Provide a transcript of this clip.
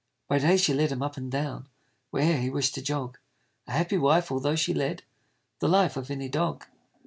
By day she led him up and down Where'er he wished to jog, A happy wife, altho' she led The life of any dog.